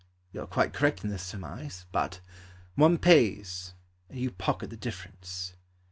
You are quite correct in this surmise. But One pays, And you pocket the difference.